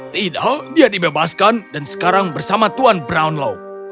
tidak dia dibebaskan dan sekarang bersama tuan brownlow